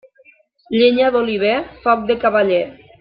Llenya d'oliver, foc de cavaller.